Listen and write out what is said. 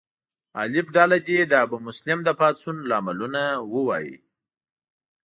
الف ډله دې د ابومسلم د پاڅون لاملونه ووایي.